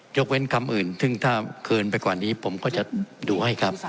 ยกเว้นคำอื่นซึ่งถ้าเกินไปกว่านี้ผมก็จะดูให้ครับ